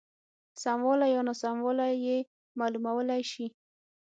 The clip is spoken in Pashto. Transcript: سموالی یا ناسموالی یې معلومولای شي.